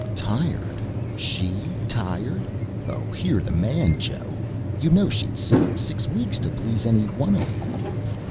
"Tired? She tired! Oh, hear the man! Joe, YOU know she'd sit up six weeks to please any one of you!"